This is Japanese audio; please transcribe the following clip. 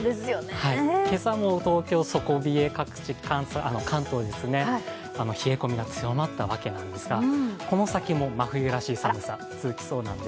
今朝も東京、底冷え各地、関東ですね冷え込みが強まったわけですがこの先も真冬らしい寒さ、続きそうなんです。